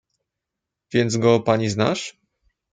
"Więc go pani znasz?"